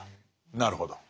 なるほど。